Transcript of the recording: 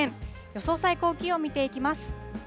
予想最高気温見ていきます。